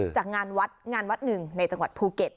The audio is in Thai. จากงานวัดงานวัดหนึ่งในจังหวัดภูเก็ต